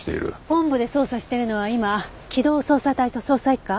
本部で捜査してるのは今機動捜査隊と捜査一課？